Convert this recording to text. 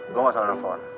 gue gak salah nelfon